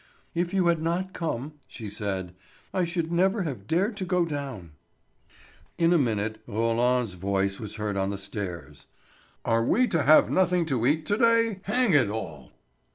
"If you had not come," she said, "I should never have dared to go down." In a minute Roland's voice was heard on the stairs: "Are we to have nothing to eat to day, hang it all?"